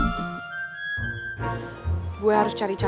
sampai jumpa lagi